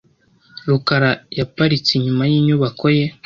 rukara yaparitse inyuma yinyubako ye .